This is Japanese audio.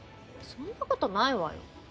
そんなことないわよ。